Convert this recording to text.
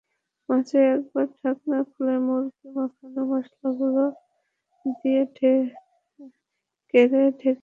মাঝে একবার ঢাকনা খুলে মুরগি মাখানোর মসলাগুলো দিয়ে নেড়ে ঢেকে দিন।